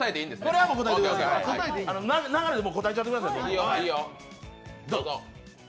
流れで答えちゃってください。